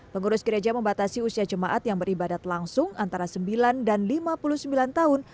pengurus gereja membatasi usia jemaat yang beribadat langsung antara sembilan dan lima puluh sembilan tahun